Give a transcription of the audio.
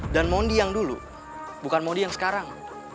mondi yang dulu bukan mondi yang sekarang